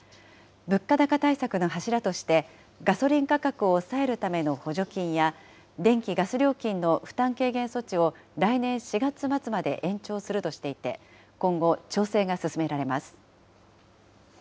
物価高対策の柱として、ガソリン価格を抑えるための補助金や、電気・ガス料金の負担軽減措置を来年４月末まで延長するとしていて、今後、調整が進められます。